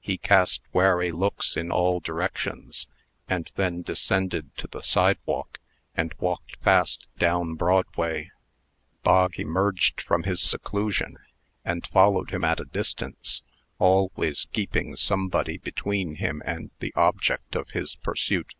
He cast wary looks in all directions, and then descended to the sidewalk, and walked fast down Broadway. Bog emerged from his seclusion, and followed him at a distance, always keeping somebody between him and the object of his pursuit.